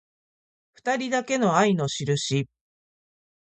ふたりだけの愛のしるし